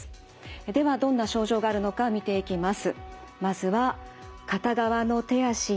ではどんな症状があるのか見ていきます。